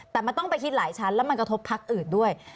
แต่มันต้องไปคิดหลายชั้นแล้วมันกระทบพักอื่นด้วย